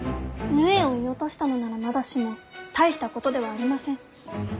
鵺を射落としたのならまだしも大したことではありません。